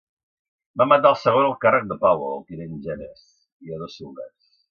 Van matar al segon al càrrec de Powell, el tinent Jenness, i a dos soldats.